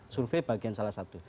survei bagian salah satu